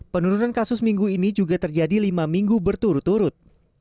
penurunan kasus minggu ini juga terjadi lima minggu berturut turut